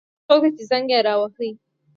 دا څوک ده چې زنګ یې را وهي